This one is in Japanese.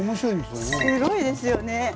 すごいですよね。